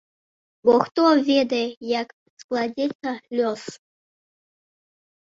Бо хто ведае, як складзецца лёс?